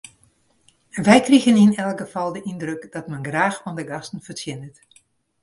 Wy krigen yn elk gefal de yndruk dat men graach oan de gasten fertsjinnet.